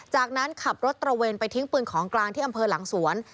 จากนั้นขับรถตระเวนไปทิ้งปืนของกลางที่อำเภอหลังสวน